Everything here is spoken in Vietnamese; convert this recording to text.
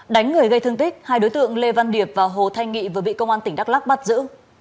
đánh người gây thương tích hai đối tượng lê văn điệp và hồ thanh nghị vừa bị công an tỉnh đắk lắc bắt giữ